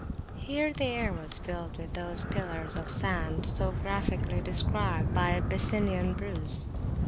Here the air was filled with those pillars of sand so graphically described by Abyssinian Bruce.